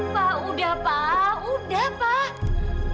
pak udah pak udah pak